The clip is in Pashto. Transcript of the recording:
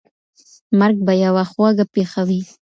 مرګ به یوه خوږه پېښه وي.